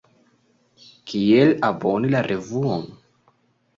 Kiel aboni la revuon?